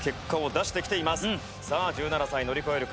さあ１７歳乗り越えるか？